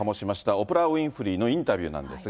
オプラ・ウィンフリーのインタビューなんですが。